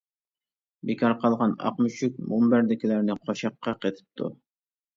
بىكار قالغان ئاق مۈشۈك، مۇنبەردىكىلەرنى قوشاققا قېتىپتۇ.